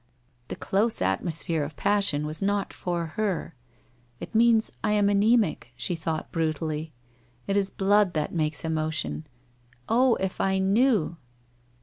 The close atmosphere of passion was not for her. 'Jt means I am , ana?mic!' she thought brutally. * It is blood that makes emotion. Oh, if I knew?'